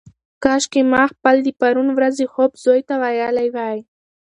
کاشکي ما خپل د پرون ورځې خوب زوی ته ویلی وای.